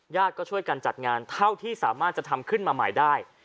ก็ช่วยกันจัดงานเท่าที่สามารถจะทำขึ้นมาใหม่ได้